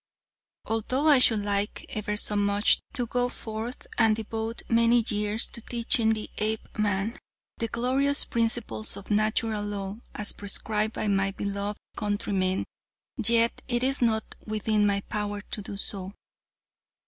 "Although I should like, ever so much, to go forth and devote many years to teaching the Apeman the glorious principles of Natural Law as prescribed by my beloved countrymen, yet it is not within my power to do so.